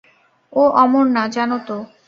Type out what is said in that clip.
ও অমর না, জানো তো।